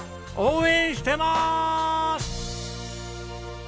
応援してまーす！